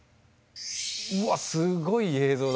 うわっすごい映像だ！